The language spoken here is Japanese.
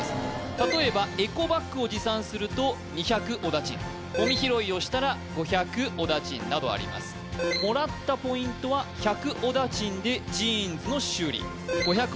例えばエコバッグを持参すると２００おだちんゴミ拾いをしたら５００おだちんなどありますもらったポイントは１００おだちんでジーンズの修理５００